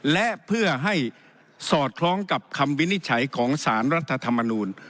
และเพื่อให้สอดคล้องกับคำวินิจฉัยของสารรัฐธรรมนูล